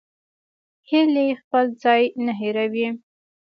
هیلۍ خپل ځای نه هېروي